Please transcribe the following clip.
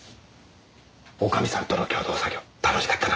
女将さんとの共同作業楽しかったな。